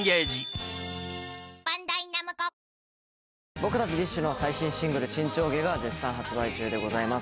僕たちＤＩＳＨ／／の最新シングル、沈丁花が絶賛発売中でございます。